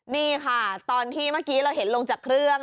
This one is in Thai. นี่ค่ะตอนที่เมื่อกี้เราเห็นลงจากเครื่อง